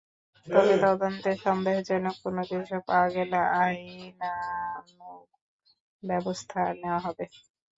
তবে তদন্তে সন্দেহজনক কোনো কিছু পাওয়া গেলে আইনানুগ ব্যবস্থা নেওয়া হবে।